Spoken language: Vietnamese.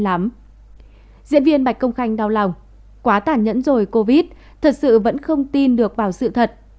diễn viên bạch công khanh đau lòng quá tản nhẫn rồi covid thật sự vẫn không tin được vào sự thật